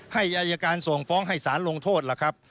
อายการส่งฟ้องให้สารลงโทษล่ะครับ